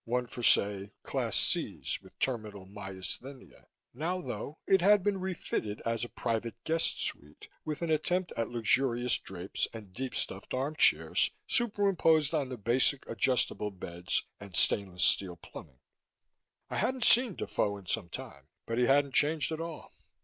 One for, say, Class Cs with terminal myasthenia. Now, though, it had been refitted as a private guest suite, with an attempt at luxurious drapes and deep stuffed armchairs superimposed on the basic adjustable beds and stainless steel plumbing. I hadn't seen Defoe in some time, but he hadn't changed at all.